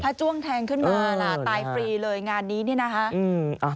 ถ้าจ้วงแทงขึ้นมาล่ะตายฟรีเลยงานนี้เนี่ยนะคะ